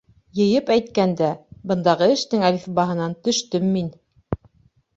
Йыйып әйткәндә, бындағы эштең әлифбаһынан төштөм мин.